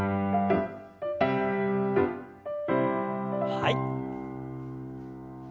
はい。